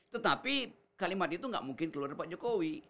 tetapi kalimat itu nggak mungkin keluar dari pak jokowi